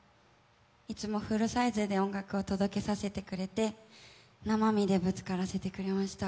いつもフルサイズで音楽を届けさせてくれて、生身でぶつからせてくれました。